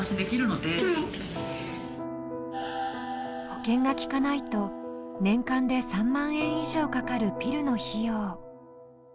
保険が利かないと年間で３万円以上かかるピルの費用。